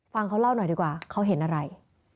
ฟังเขาเล่าหน่อยดีกว่าเขาเห็นอะไร